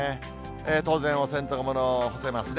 当然、お洗濯物干せますね。